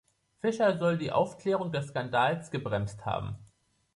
Fischer soll die Aufklärung des Skandals gebremst haben.